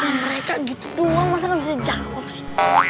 ya mereka gitu doang masa gak bisa jawab sih